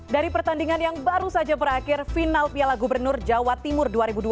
dari pertandingan yang baru saja berakhir final piala gubernur jawa timur dua ribu dua puluh